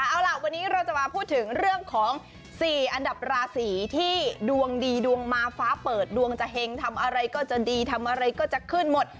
เอาล่ะวันนี้เราจะมาพูดถึงเรื่องของ๔อันดับราศีที่ดวงดีดวงมาฟ้าเปิดดวงจะเห็งทำอะไรก็จะดีทำอะไรก็จะขึ้นหมด